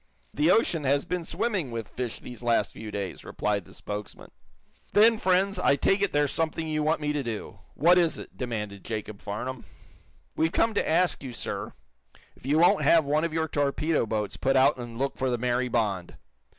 The ocean has been swarming with fish these last few days," replied the spokesman. "Then, friends, I take it there's something you want me to do. What is it?" demanded Jacob Farnum. "We've come to ask you, sir, if you won't have one of your torpedo boats put out and look for the 'Mary Bond.'